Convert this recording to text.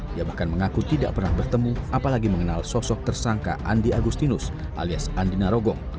dia bahkan mengaku tidak pernah bertemu apalagi mengenal sosok tersangka andi agustinus alias andi narogong